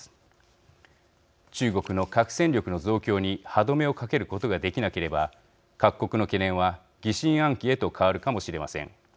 中国の核戦力の増強に歯止めをかけることができなければ各国の懸念は疑心暗鬼へと変わるかもしれません。